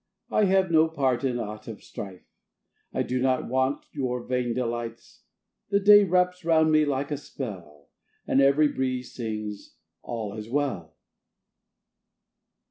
I have no part in aught of strife; I do not want your vain delights. The day wraps round me like a spell, And every breeze sings, "All is well."